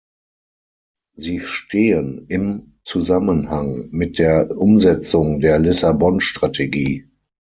Sie stehen im Zusammenhang mit der Umsetzung der Lissabon-Strategie.